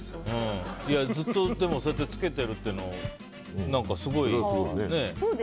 ずっとそうやって着けてるっていうのすごいですね。